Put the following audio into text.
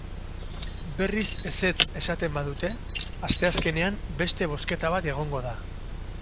Berriz ezetz esaten badute, asteazkenean beste bozketa bat egongo da.